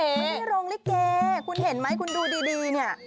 ไม่มีโรงล่ะเก่คุณเห็นมั้ยคุณดูดีนี่